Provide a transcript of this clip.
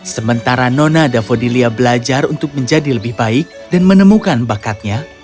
sementara nona dan fodilia belajar untuk menjadi lebih baik dan menemukan bakatnya